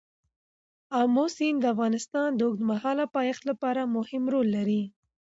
آمو سیند د افغانستان د اوږدمهاله پایښت لپاره مهم رول لري.